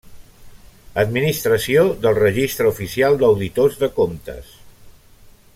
Administració del Registre Oficial d'Auditors de Comptes.